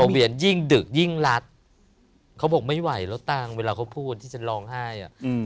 เหรียญยิ่งดึกยิ่งรัดเขาบอกไม่ไหวแล้วตังค์เวลาเขาพูดที่ฉันร้องไห้